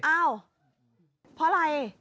อ้าวเพราะอะไร